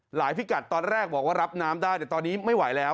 พิกัดตอนแรกบอกว่ารับน้ำได้แต่ตอนนี้ไม่ไหวแล้ว